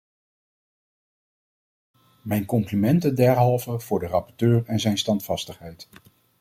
Mijn complimenten derhalve voor de rapporteur en zijn standvastigheid.